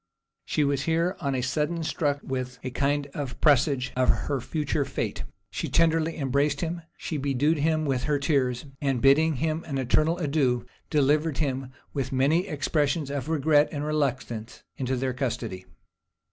She was here on a sudden struck with a kind of presage of his future fate: she tenderly embraced him; she bedewed him with her tears; and bidding him an eternal adieu, delivered him, with many expressions of regret and reluctance, into their custody.